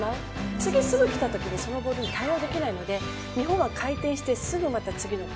次すぐきた時にそのボールに対応できないので日本は回転してすぐまた次のプレー。